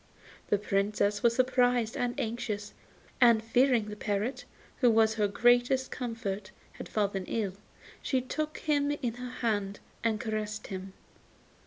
The Princess was surprised and anxious, and fearing the parrot, who was her greatest comfort, had fallen ill, she took him in her hand and caressed him.